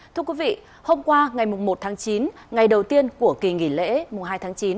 thưa quý vị hôm qua ngày một tháng chín ngày đầu tiên của kỳ nghỉ lễ mùng hai tháng chín